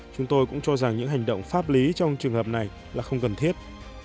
chúng tôi cũng cho rằng những hành động pháp lý trong trường hợp này là không cần thiết